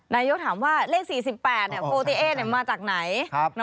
นายกถามว่าเลข๔๘โฟติเอ๊มาจากไหน